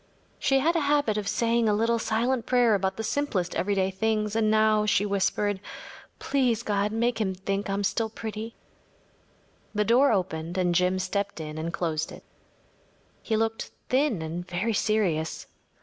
She had a habit of saying a little silent prayer about the simplest everyday things, and now she whispered: “Please God, make him think I am still pretty.‚ÄĚ The door opened and Jim stepped in and closed it. He looked thin and very serious.